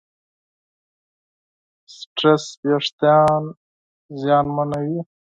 سټرېس وېښتيان زیانمنوي.